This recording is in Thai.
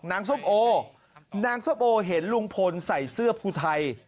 นางซบโอเห็นลุงพลใส่เสื้อภูไทย